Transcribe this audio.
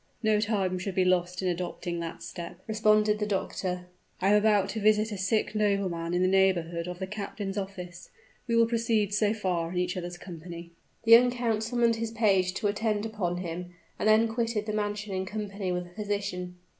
"No time should be lost in adopting that step," responded the doctor. "I am about to visit a sick nobleman in the neighborhood of the captain's office: we will proceed so far in each other's company." The young count summoned his page to attend upon him, and then quitted the mansion in company with the physician.